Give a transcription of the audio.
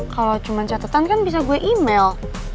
kalau cuma catatan kan bisa gue email